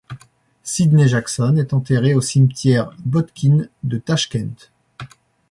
Sidney Jackson est enterré au cimetière Botkine de Tachkent.